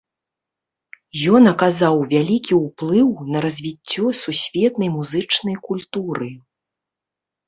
Ён аказаў вялікі ўплыў на развіццё сусветнай музычнай культуры.